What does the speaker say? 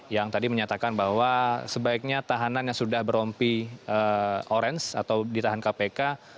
yang tadi menyatakan bahwa sebaiknya tahanan yang sudah berompi orange atau ditahan kpk